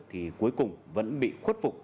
thì cuối cùng vẫn bị khuất phục